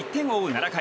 ７回。